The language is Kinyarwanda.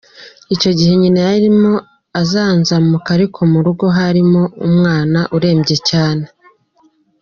Icyo gihe nyina yarimo azanzamuka ariko mu rugo harimo umwana urembye cyane.